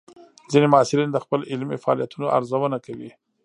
ځینې محصلین د خپل علمي فعالیتونو ارزونه کوي.